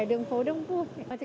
đường phố đông vui